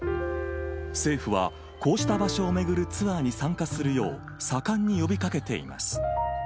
政府は、こうした場所を巡るツアーに参加するよう、盛んに呼びかけています。